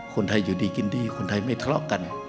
คนไทยอยู่ดีกินดีคนไทยไม่ทะเลาะกัน